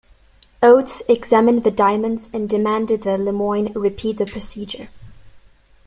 Oats examined the diamonds and demanded that Lemoine repeat the procedure.